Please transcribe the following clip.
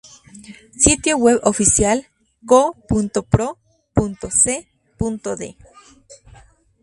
Sitio web oficial Co.Pro.Se.de